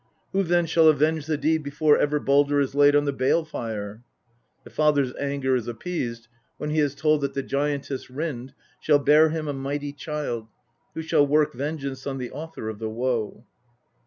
Who then shall avenge the deed before ever Baldr is laid on the bale fire ? The father's anger is appeased when he is told that the giantess Rind shall bear him a mighty child, who shall work vengeance on the author of the Woe.